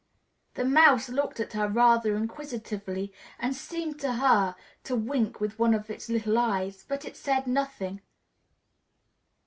The Mouse looked at her rather inquisitively and seemed to her to wink with one of its little eyes, but it said nothing.